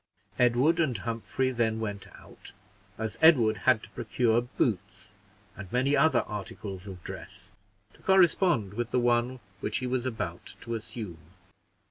Edward and Humphrey then went out, as Edward had to procure boots, and many other articles of dress, to correspond with the one which he was about to assume.